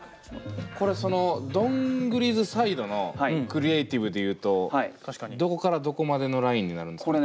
これどんぐりずサイドのクリエーティブで言うとどこからどこまでのラインになるんですか？